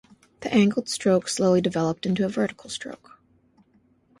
The angled stroke slowly developed into a vertical stroke.